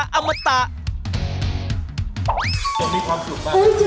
มีความสุขมากจากเมืองชน